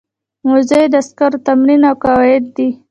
موضوع یې د عسکرو تمرین او قواعد دي.